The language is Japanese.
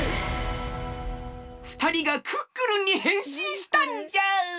ふたりがクックルンにへんしんしたんじゃ！